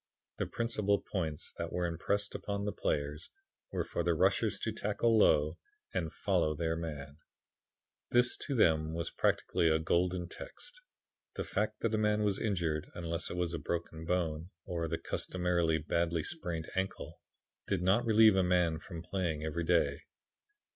The principal points that were impressed upon the players were for the rushers to tackle low and follow their man. "This was to them practically a golden text. The fact that a man was injured, unless it was a broken bone, or the customary badly sprained ankle, did not relieve a man from playing every day.